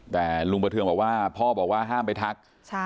แต่ลุงประเทืองบอกว่าพ่อบอกว่าห้ามไปทัก